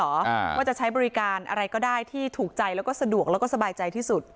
ว่าจะใช้บริการอะไรก็ได้ที่ถูกใจแล้วก็สะดวกแล้วก็สบายใจที่สุด